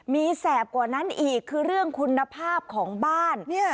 มีแสบกว่านั้นอีกคือเรื่องคุณภาพของบ้าน